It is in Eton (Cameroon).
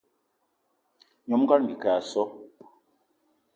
Nyom ngón Bikele o so!